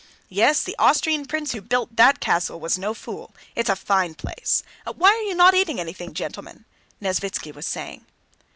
"Yes, the Austrian prince who built that castle was no fool. It's a fine place! Why are you not eating anything, gentlemen?" Nesvítski was saying.